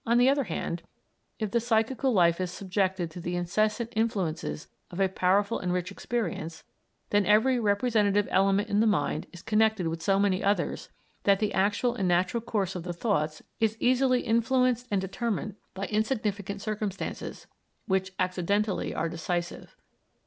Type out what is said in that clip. On the other hand, if the psychical life is subjected to the incessant influences of a powerful and rich experience, then every representative element in the mind is connected with so many others that the actual and natural course of the thoughts is easily influenced and determined by insignificant circumstances, which accidentally are decisive.